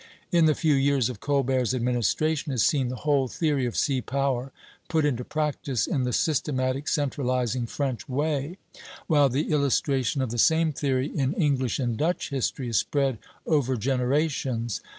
In the few years of Colbert's administration is seen the whole theory of sea power put into practice in the systematic, centralizing French way; while the illustration of the same theory in English and Dutch history is spread over generations.